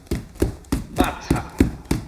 肉插